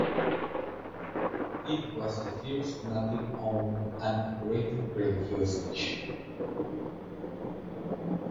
It was the first Native-owned and operated radio station.